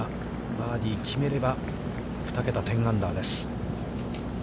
バーディー決めれば、２桁、１０アンダーです。